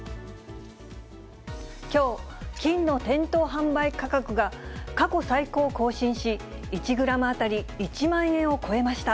きょう、金の店頭販売価格が過去最高を更新し、１グラム当たり１万円を超えました。